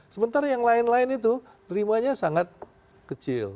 sementara yang lain lain itu terimanya sangat kecil